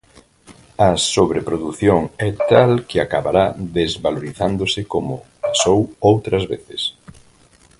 A sobreprodución é tal que acabará desvalorizándose, como pasou outras veces.